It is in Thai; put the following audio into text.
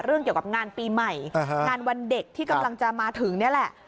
เรื่องเกี่ยวกับงานปีใหม่งานวันเด็กที่กำลังจะมาถึงนี่แหละ